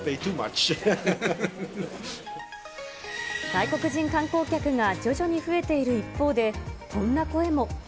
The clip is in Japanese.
外国人観光客が徐々に増えている一方で、こんな声も。